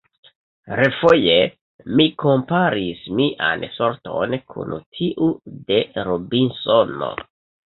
Refoje mi komparis mian sorton kun tiu de Robinsono.